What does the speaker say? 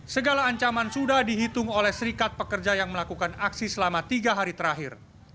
segala ancaman sudah dihitung oleh serikat pekerja yang melakukan aksi selama tiga hari terakhir